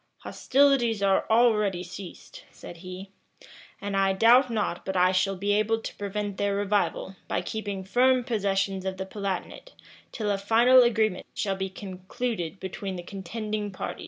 "Hostilities are already ceased," said he, "and I doubt not but I shall be able to prevent their revival, by keeping firm possession of the Palatinate, till a final agreement shall be concluded between the contending parties."